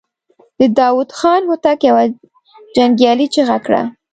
د داوود خان هوتک يوه جنګيالې چيغه کړه.